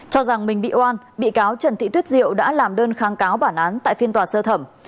cho rằng mình bị oan bị cáo trần thị tuyết diệu đã làm đơn kháng cáo bản án tại phiên tòa sơ thẩm